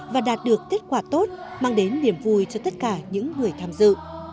và đạt được kết quả tốt mang đến niềm vui cho tất cả những người tham dự